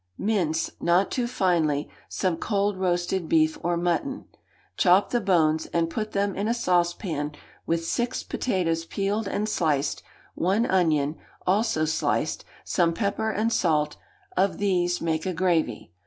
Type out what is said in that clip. Mince, not too finely, some cold roasted beef or mutton. Chop the bones, and put them in a saucepan with six potatoes peeled and sliced, one onion, also sliced, some pepper and salt; of these make a gravy.